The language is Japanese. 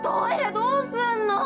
どうすんの？